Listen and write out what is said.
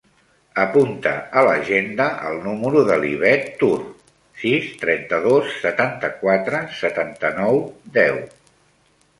Apunta a l'agenda el número de l'Ivet Tur: sis, trenta-dos, setanta-quatre, setanta-nou, deu.